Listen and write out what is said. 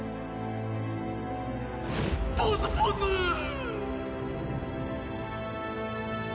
ポズポズーッ！